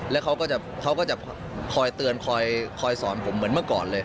แล้วเขาก็จะคอยเตือนคอยสอนผมเหมือนเมื่อก่อนเลย